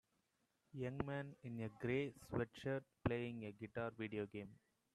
Young man in a gray sweatshirt playing a guitar video game.